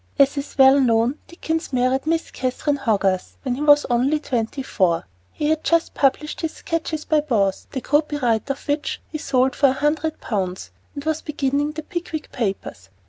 As is well known, Dickens married Miss Catherine Hogarth when he was only twenty four. He had just published his Sketches by Boz, the copyright of which he sold for one hundred pounds, and was beginning the Pickwick Papers.